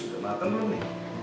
udah mateng belum nih